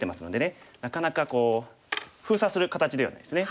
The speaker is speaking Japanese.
なかなかこう封鎖する形ではないですね。